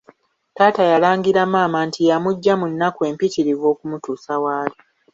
Taata yalangira maama nti yamuggya mu nnaku empitirivu okumutuusa w’ali.